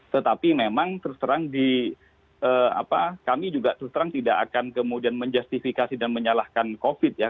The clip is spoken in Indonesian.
tetapi memang kami juga tidak akan kemudian menjustifikasi dan menyalahkan covid sembilan belas